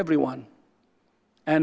kepada semua orang